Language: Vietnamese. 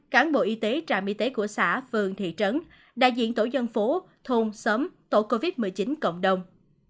cán bộ y tế trạm y tế của xã phường thị trấn đại diện tổ dân phố thôn xóm tổ covid một mươi chín cộng đồng